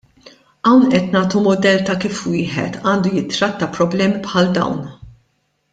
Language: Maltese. Hawn qed nagħtu mudell ta' kif wieħed għandu jitratta problemi bħal dawn.